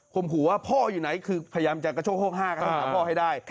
คมขู่ว่าพ่ออยู่ไหนคือพยายามจะกระโชกห้องห้ากับพ่อให้ได้